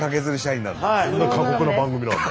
そんな過酷な番組なんだ。